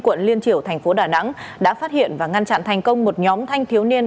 quận liên triểu tp đà nẵng đã phát hiện và ngăn chặn thành công một nhóm thanh thiếu niên